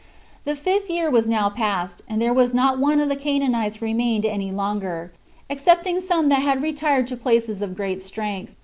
19. The fifth year was now past, and there was not one of the Canaanites remained any longer, excepting some that had retired to places of great strength.